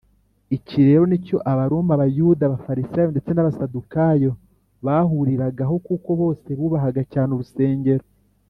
iki rero ni cyo abaroma, abayuda, abafarisayo ndetse n’abasadukayo bahuriragaho; kuko bose bubahaga cyane urusengero